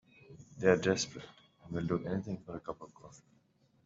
They're desperate and will do anything for a cup of coffee.